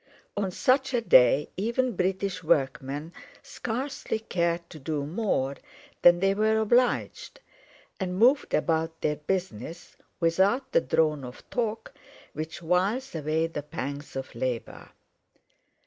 On such a day even British workmen scarcely cared to do more then they were obliged, and moved about their business without the drone of talk which whiles away the pangs of labour.